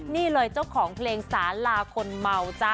นี่เลยเจ้าของเพลงสาลาคนเมาจ๊ะ